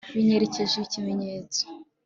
binyerekeshe ikimenyetso